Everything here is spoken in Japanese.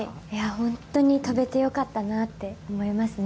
本当に飛べてよかったなと思いましたね。